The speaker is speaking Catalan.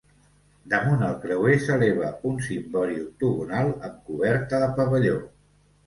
Damunt el creuer s'eleva un cimbori octogonal amb coberta de pavelló.